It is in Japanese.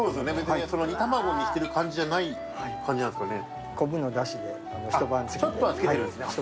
煮卵にしている感じじゃない感じですよね。